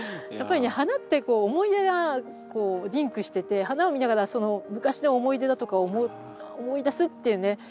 やっぱりね花ってこう思い出がこうリンクしてて花を見ながらその昔の思い出だとかを思い出すっていうね